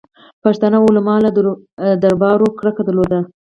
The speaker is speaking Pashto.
پښتانه علما له دربارو کرکه درلوده.